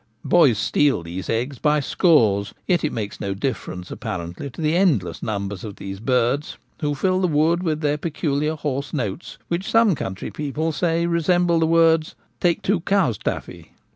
Boys steal these eggs by scores, yet it makes no difference apparently to the endless numbers of these birds, who fill the wood with their peculiar hoarse notes, which some country people say resemble the words ' Take two cows, Taffy.'